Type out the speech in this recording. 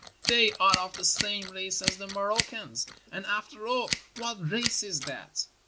They are of the same race as the Moroccans, and after all, what race is that?